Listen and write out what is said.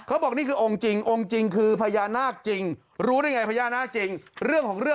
เขาบอกนี้คือองค์จริงองค์จริงคือพญานาคจริงรู้ได้ไงพญานาคจริง